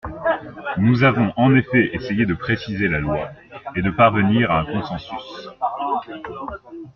Nous avons en effet essayé de préciser la loi et de parvenir à un consensus.